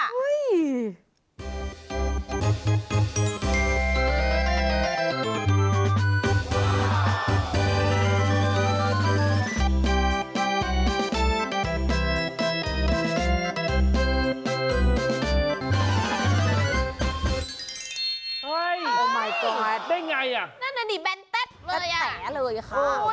เฮ้ยโอ้มายกอร์ดได้ยังไงนั่นน่ะนี่แบนแต๊ดแบนแต๋เลยค่ะ